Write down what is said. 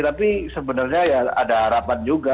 tapi sebenarnya ya ada harapan juga